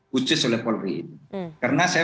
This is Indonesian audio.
khusus oleh polri karena saya